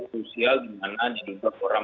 krusial dimana dihentak orang